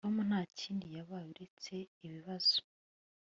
Tom ntakindi yabaye uretse ibibazo